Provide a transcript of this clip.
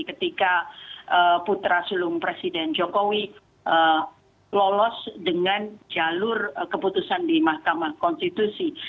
ketika putra sulung presiden jokowi lolos dengan jalur keputusan di mahkamah konstitusi